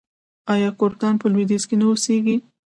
آیا کردان په لویدیځ کې نه اوسیږي؟